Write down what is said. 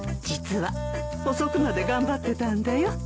実は遅くまで頑張ってたんだよ。